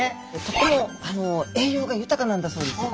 とても栄養が豊かなんだそうです。